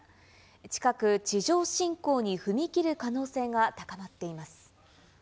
近く地上侵攻に踏み切る可能性が高まっています。